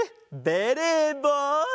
ベレーぼう。